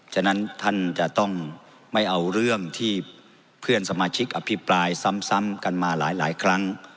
ฉะนั้นท่านจะต้องไม่เอาเรื่องที่เพื่อนสมาชิกอภิปรายซ้ำกันมาหลายครั้ง